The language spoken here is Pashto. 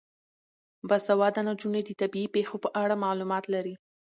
باسواده نجونې د طبیعي پیښو په اړه معلومات لري.